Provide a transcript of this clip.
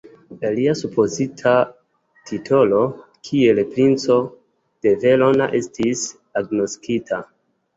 Lia supozita titolo kiel princo de Verona estis agnoskita.